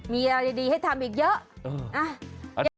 มีอะไรดีให้ทำอีกเยอะเอออ่า